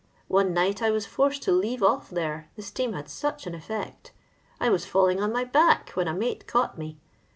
One night I was forced to leave off there, the atean m such an effect. I was falling on my bads, wha a mate caught me.